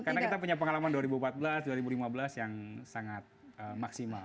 karena kita punya pengalaman dua ribu empat belas dua ribu lima belas yang sangat maksimal